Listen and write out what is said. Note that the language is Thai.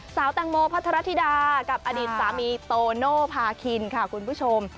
สาวแตงโมพัทรธิดากับอดีตสามีโตโน่พาคินค่ะคุณผู้ชม